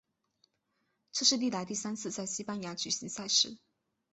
这是历来第三次在西班牙举行赛事。